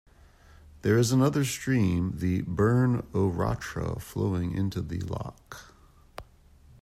There is another stream, the "Burn o' Rattra" flowing into the loch.